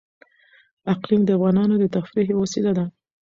اقلیم د افغانانو د تفریح یوه وسیله ده.